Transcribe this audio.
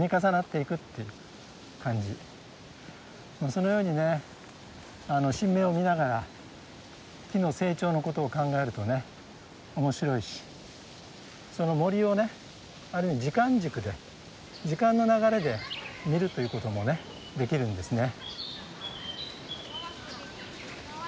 そのようにね新芽を見ながら木の成長のことを考えるとね面白いしその森をね時間軸で時間の流れで見るということもねできるんですね。